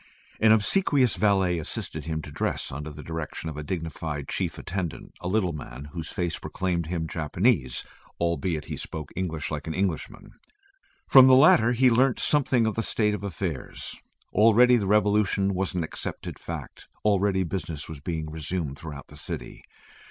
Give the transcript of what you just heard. An obsequious valet assisted him to dress under the direction of a dignified chief attendant, a little man whose face proclaimed him Japanese, albeit he spoke English like an Englishman. From the latter he learnt something of the state of affairs. Already the revolution was an accepted fact; already business was being resumed throughout the city.